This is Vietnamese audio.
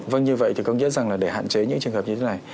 vâng như vậy thì có nghĩa rằng là để hạn chế những trường hợp như thế này